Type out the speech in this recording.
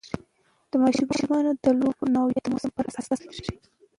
د ماشومانو د لوبو نوعیت د موسم پر اساس بدلېږي.